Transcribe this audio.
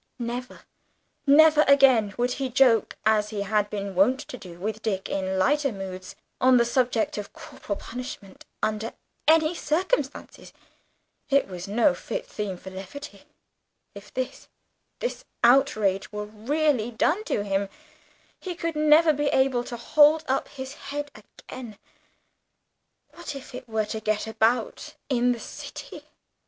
Never, never again would he joke, as he had been wont to do with Dick in lighter moods, on the subject of corporal punishment under any circumstances it was no fit theme for levity; if this this outrage were really done to him, he could never be able to hold up his head again. What if it were to get about in the city!